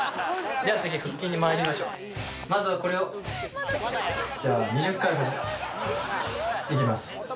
では次腹筋にまいりましょうまずはこれをいきます